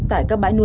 tại các bãi nuôi